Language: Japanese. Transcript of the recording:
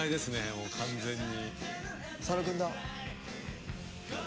もう完全に。